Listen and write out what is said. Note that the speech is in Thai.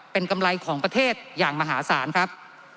เป็นกำไรของประเทศอย่างมหาศาลครับ